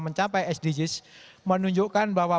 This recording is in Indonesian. mencapai sdgs menunjukkan bahwa